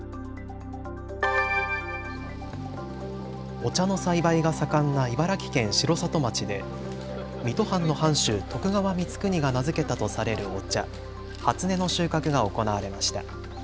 お茶の栽培が盛んな茨城県城里町で水戸藩の藩主、徳川光圀が名付けたとされるお茶、初音の収穫が行われました。